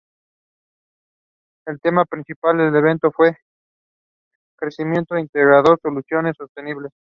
El tema principal del evento fue ""Crecimiento integrador: soluciones sostenibles"".